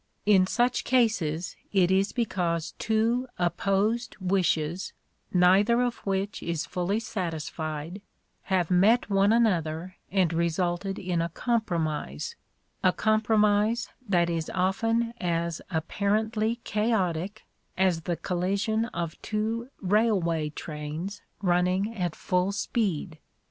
In such cases it is because two opposed wishes, neither of which is fully satisfied, have met one another and resulted in a "compromise" — a compromise that is often as apparently chaotic as the collision of two railway trains running at full speed.